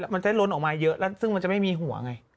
มันจะล้นออกมาเยอะแล้วซึ่งมันจะไม่มีหัวไง